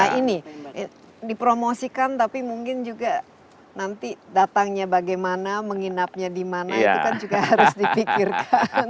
nah ini dipromosikan tapi mungkin juga nanti datangnya bagaimana menginapnya di mana itu kan juga harus dipikirkan